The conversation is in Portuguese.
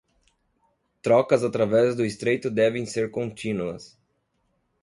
Trocas através do Estreito devem ser contínuas